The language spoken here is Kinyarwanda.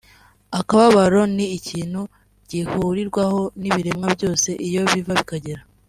akababaro ni ikintu gihurirwaho n’ibiremwa byose iyo biva bikagera